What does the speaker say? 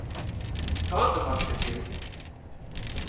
ڪانڪ وکت چيڙ